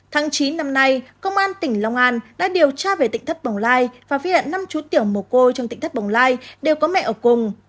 tháng chín năm nay công an tỉnh long an đã điều tra về tỉnh thất bồng lai và viết lại năm chú tiểu một cô trong tỉnh thất bồng lai đều có mẹ ở cùng